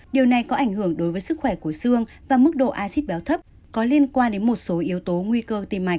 điều này có ảnh hưởng đối với sức khỏe của xương và mức độ acid béo thấp có liên quan đến một số yếu tố nguy cơ tim mạch